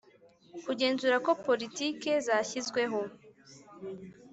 Kugenzura ko politiki zashyizweho